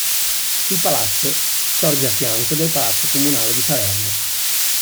Il palazzo sorge a fianco del Palazzo comunale di Salerno.